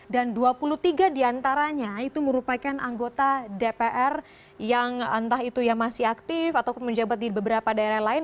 dan dua puluh tiga diantaranya itu merupakan anggota dpr yang entah itu yang masih aktif atau menjabat di beberapa daerah lain